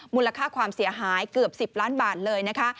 มูลค่าความเสียหายเกือบ๑๐ล้านบาทเลยนะคะ